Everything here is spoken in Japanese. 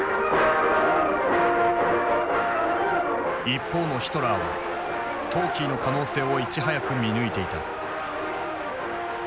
一方のヒトラーはトーキーの可能性をいち早く見抜いていた。